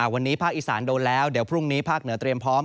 วันนี้ภาคอีสานโดนแล้วเดี๋ยวพรุ่งนี้ภาคเหนือเตรียมพร้อม